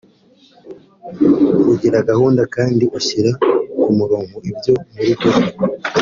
ugira gahunda kandi ushyira ku murongo ibyo mu rugo rwe